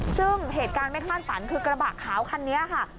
ซึ่งเหตุการณ์ไม่คาดฝันคือกระบะขาวคันนี้ค่ะ